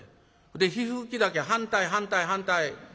で火吹き竹反対反対反対。